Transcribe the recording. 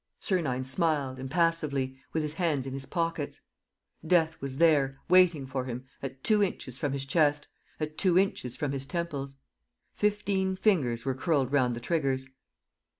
Sernine smiled, impassively, with his hands in his pockets. Death was there, waiting for him, at two inches from his chest, at two inches from his temples. Fifteen fingers were curled round the triggers.